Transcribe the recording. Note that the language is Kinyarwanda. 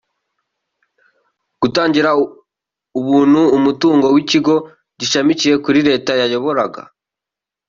gutangira ubuntu umutungo w’ikigo gishamikiye kuri Leta yayoboraga